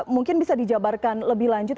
mungkin bisa dijabarkan lebih lanjut